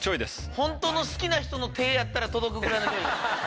ホントの好きな人の手やったら届くぐらいの距離。